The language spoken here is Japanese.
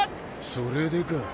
それでか。